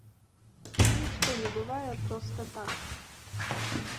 Нішто не бывае проста так.